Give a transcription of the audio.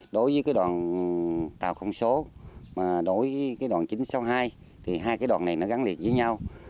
đối với đoàn tàu không số đoàn chín trăm sáu mươi hai hai đoàn này gắn liệt với nhau